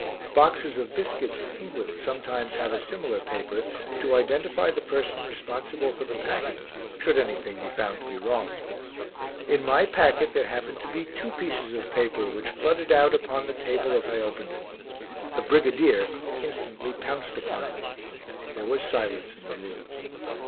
Boxes of biscuits in England sometimes have a similar paper to identify the person responsible for the packing should anything be found to be wrong. In my packet there happened to be two pieces of paper which fluttered out upon the table as I opened it. The brigadier instantly pounced upon them. There was silence in the room.